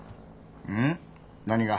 うん？何が？